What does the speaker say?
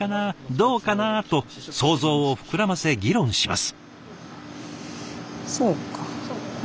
どうかな？と想像を膨らませ議論します。